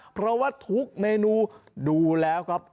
เพราะว่าทุกเมนูดูแล้วครับ